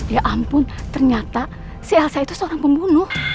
ya ampun ternyata si elsa itu seorang pembunuh